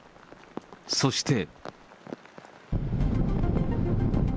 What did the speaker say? そして。